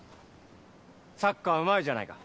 サッカーうまいじゃないか。